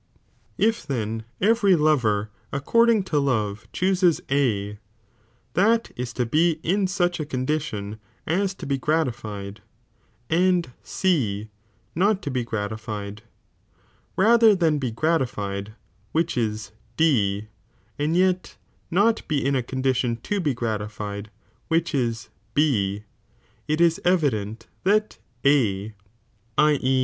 If then every lover accord ing to love chooses A, that is to be in such a condition as to be gratified, and C not to be gratified, rather than be gratified, which is D, and yet not be in a condition to be gratified, which b B, it is evident that A, i. e.